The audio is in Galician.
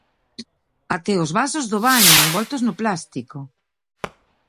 Até os vasos do baño envoltos no plástico!